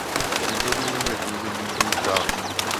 Původní je pouze jižní část.